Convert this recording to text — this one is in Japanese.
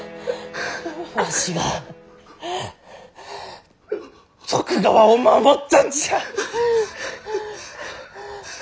わしが徳川を守ったんじゃ！